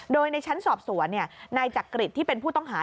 โดยในชั้นสอบสวนนายจักริตที่เป็นผู้ต้องหา